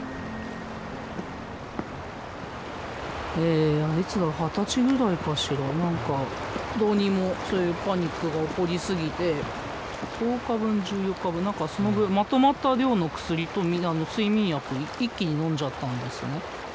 えいつだろう二十歳ぐらいかしら何かどうにもそういうパニックが起こりすぎて１０日分１４日分何かその分まとまった量の薬と睡眠薬一気にのんじゃったんですね。